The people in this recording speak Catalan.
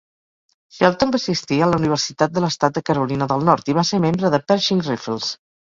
Shelton va assistir a la Universitat de l'Estat de Carolina del Nord i va ser membre de Pershing Rifles.